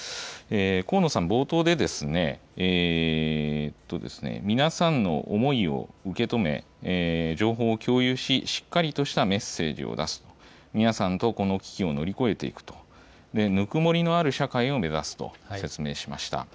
河野さん、冒頭で皆さんの思いを受け止め情報を共有し、しっかりとしたメッセージを出す、皆さんとこの危機を乗り越えていくとぬくもりのある社会を目指すと説明しました。